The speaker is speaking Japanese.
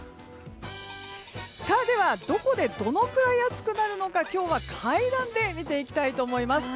では、どこでどのくらい暑くなるのか今日は階段で見ていきたいと思います。